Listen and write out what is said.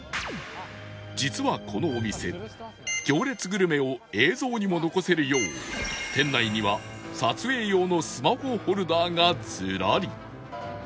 実はこのお店行列グルメを映像にも残せるよう店内には撮影用のスマホホルダーがずらり